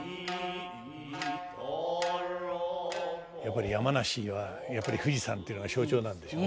やっぱり山梨には富士山というのが象徴なんでしょうね。